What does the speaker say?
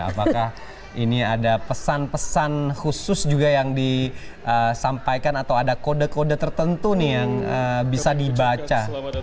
apakah ini ada pesan pesan khusus juga yang disampaikan atau ada kode kode tertentu nih yang bisa dibaca